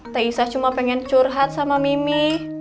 teh isah cuma pengen curhat sama mimi